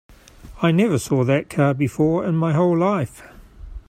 I never saw that car before in my whole life.